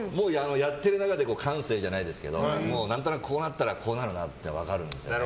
やっている中で感性じゃないですけどこうなったらこうなるなって分かりますね。